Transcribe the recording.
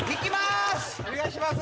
お願いします